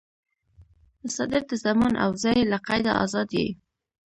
مصدر د زمان او ځای له قیده آزاد يي.